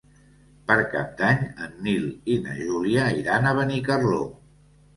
Per Cap d'Any en Nil i na Júlia iran a Benicarló.